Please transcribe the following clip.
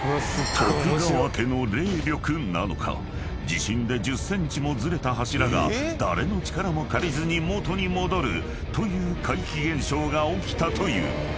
［地震で１０ｃｍもずれた柱が誰の力も借りずに元に戻るという怪奇現象が起きたという］